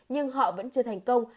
nhưng họ vẫn chưa thành công